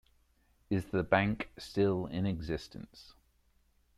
Is the bank still in existence?